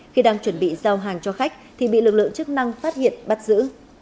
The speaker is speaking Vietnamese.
khi đang chuẩn bị giao hàng cho khách thì bị lực lượng chức năng phát hiện bắt giữ